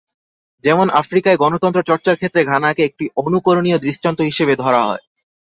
যেমন আফ্রিকায় গণতন্ত্র চর্চার ক্ষেত্রে ঘানাকে একটি অনুকরণীয় দৃষ্টান্ত হিসেবে ধরা হয়।